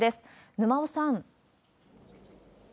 沼尾さん。